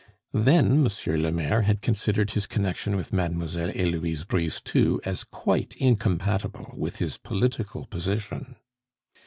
Then Monsieur le Maire had considered his connection with Mademoiselle Heloise Brisetout as quite incompatible with his political position.